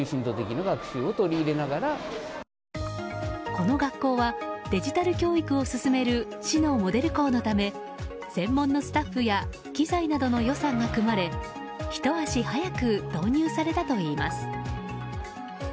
この学校はデジタル教育を進める市のモデル校のため専門のスタッフや機材などの予算が組まれひと足早く導入されたといいます。